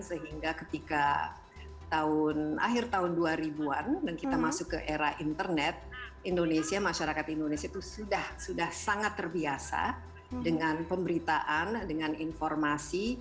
sehingga ketika akhir tahun dua ribu an dan kita masuk ke era internet indonesia masyarakat indonesia itu sudah sangat terbiasa dengan pemberitaan dengan informasi